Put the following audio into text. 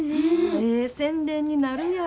ええ宣伝になるやん。